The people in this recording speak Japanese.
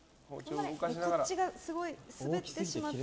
こっちがすごい滑ってしまって。